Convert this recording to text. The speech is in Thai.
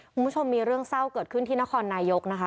คุณผู้ชมมีเรื่องเศร้าเกิดขึ้นที่นครนายกนะคะ